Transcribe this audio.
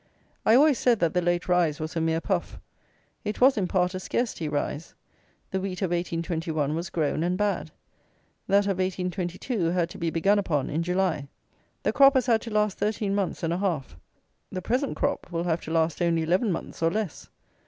I always said that the late rise was a mere puff. It was, in part, a scarcity rise. The wheat of 1821 was grown and bad. That of 1822 had to be begun upon in July. The crop has had to last thirteen months and a half. The present crop will have to last only eleven months, or less.